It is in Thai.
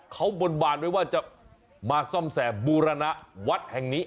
เขาบนบานไว้ว่าจะมาซ่อมแสบูรณะวัดแห่งนี้